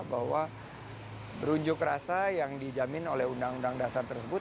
bahwa berunjuk rasa yang dijamin oleh undang undang dasar tersebut